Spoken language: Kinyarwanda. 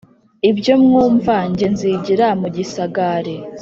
Ibyo mwumva ge nzigira mu Gisigari